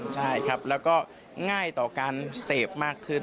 ใช่ครับแล้วก็ง่ายต่อการเสพมากขึ้น